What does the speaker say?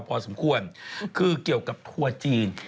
พอสมควรคือเกี่ยวกับทัวร์จีน